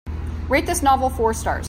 rate this novel four stars